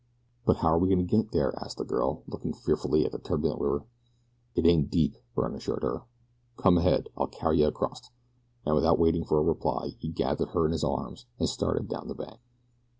"But how are we to get there?" asked the girl, looking fearfully at the turbulent river. "It ain't deep," Byrne assured her. "Come ahead; I'll carry yeh acrost," and without waiting for a reply he gathered her in his arms and started down the bank.